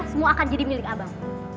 semua akan jadi milik abang